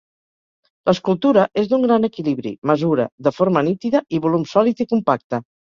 L'escultura és d'un gran equilibri, mesura, de forma nítida i volum sòlid i compacte.